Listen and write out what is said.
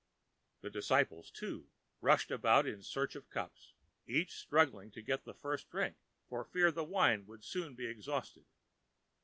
The disciples, too, rushed about in search of cups, each struggling to get the first drink for fear the wine should be exhausted.